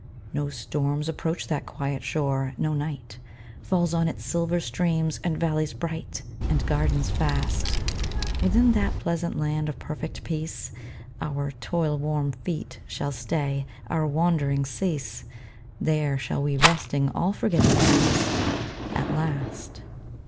No storms approach that quiet shore, no night Falls on its silver streams, and valleys bright, And gardens vast; Within that pleasant land of perfect peace Our toil worn feet shall stay, our wanderings cease; There shall we, resting, all forget the past, At last.